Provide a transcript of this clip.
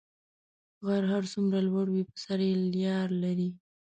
غر هر څو لوړ وي، سر یې لېر لري.